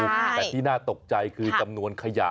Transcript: แต่ที่น่าตกใจคือจำนวนขยะ